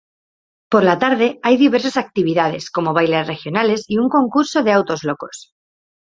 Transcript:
Por la tarde, hay diversas actividades, como bailes regionales, y un concurso de autos-locos.